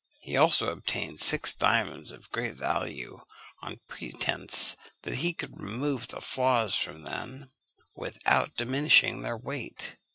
He also obtained six diamonds of great value, on pretence that he could remove the flaws from them without diminishing their weight.